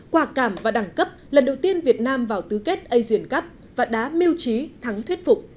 quả cảm và đẳng cấp lần đầu tiên việt nam vào tứ kết asian cup và đá miêu trí thắng thuyết phục